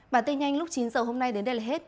bản tin nhanh lúc chín giờ hôm nay đến đây là hết